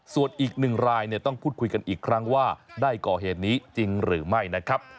ส่วนอีกหนึ่งรายต้องพูดคุยกันอีกครั้งว่าได้ก่อเหตุนี้จริงหรือไม่นะครับ